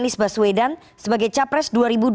sebagai capres dua ribu dua puluh empat